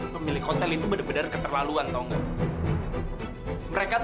sampai jumpa di video selanjutnya